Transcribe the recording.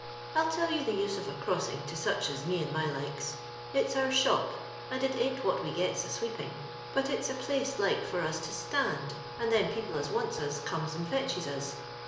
I'll tell you the use of a crossing to such^ as me and my likes. It's our shop, and it ain't what we gets a sweeping, but it's a place like for us to stand, and then people as wants us, comes and fetches us.